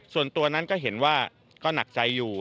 ส่วนตัวนั้นก็เห็นว่าก็หนักใจอยู่